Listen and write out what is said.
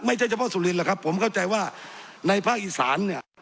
ไม่ใช่เฉพาะสุรินทร์หรอกครับผมเข้าใจว่าในภาคอีสานเนี่ย